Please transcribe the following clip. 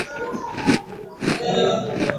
abiria waliyookolewa kwenye titanic ni mia tano